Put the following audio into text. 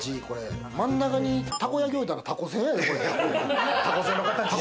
真ん中に、たこ焼き置いたら、たこせんやで。